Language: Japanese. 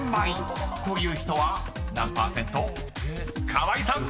［川合さん］